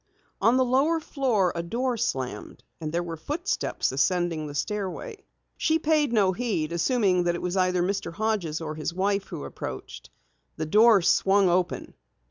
On the lower floor a door slammed, and there were footsteps ascending the stairway. She paid no heed, assuming that it was either Mr. Hodges or his wife who approached. The door swung open.